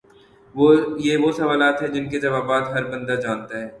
یہ وہ سوالات ہیں جن کے جوابات ہر بندہ جانتا ہے